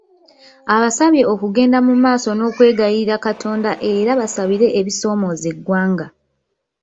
Abasabye okugenda mu maaso n'okwegayirira Katonda era basabire ebisoomooza eggwanga